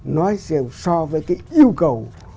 nói so với cái yêu cầu